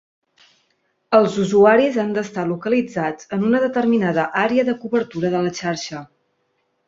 Els usuaris han d'estar localitzats en una determinada àrea de cobertura de la xarxa.